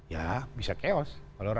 ya bisa keos